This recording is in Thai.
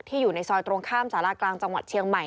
อยู่ในซอยตรงข้ามสารากลางจังหวัดเชียงใหม่